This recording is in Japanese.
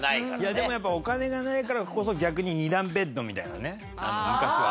でもやっぱお金がないからこそ逆に二段ベッドみたいなね昔は。